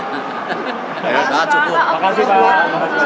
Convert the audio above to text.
tanya ke pak erick